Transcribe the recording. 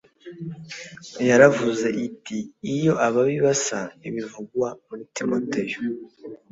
yaravuze iti iyo ababi basa ibivugwa muri timoteyo